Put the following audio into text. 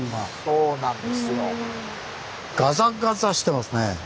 そうなんですよ。